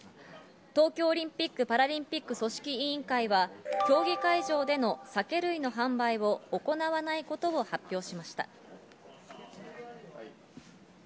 東京オリンピック・パラリンピック組織委員会は、競技会場での酒類の販売を行わないことを発表しました。